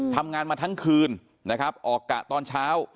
ทำงานมาทั้งคืนนะครับออกกะตอนเช้า